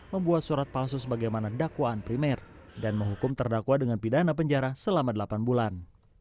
membuat surat palsu sebagaimana dakwaan primer dan menghukum terdakwa dengan pidana penjara selama delapan bulan